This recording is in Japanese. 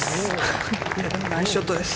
ナイスショットです。